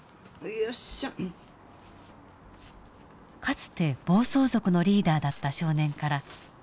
かつて暴走族のリーダーだった少年から最近連絡がありました。